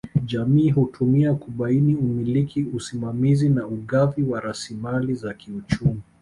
Jamii hutumia kubaini umiliki usimamizi na ugavi wa rasilimali za kiuchumi